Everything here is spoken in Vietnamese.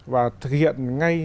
và thực hiện ngay